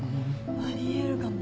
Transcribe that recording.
あり得るかも。